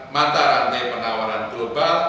mata rantai penawaran global